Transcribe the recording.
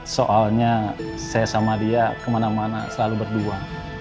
soalnya saya sama dia kemana mana selalu berdua